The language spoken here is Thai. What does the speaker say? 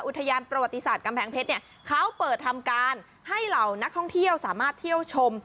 อุทยานประวัติศาสตร์กำแพงเพชรเนี่ยเขาเปิดทำการให้เหล่านักท่องเที่ยวสามารถเที่ยวชม